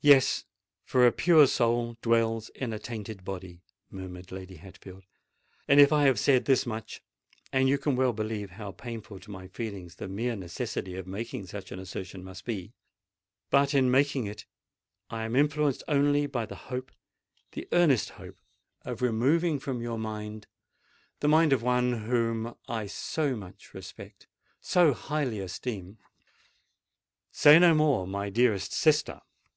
"Yes—for a pure soul dwells in a tainted body," murmured Lady Hatfield; "and if I have said this much—and you can well believe how painful to my feelings the mere necessity of making such an assertion must be,—but in making it, I am influenced only by the hope—the earnest hope of removing from your mind—the mind of one whom I so much respect—so highly esteem——" "Say no more, my dearest sister!"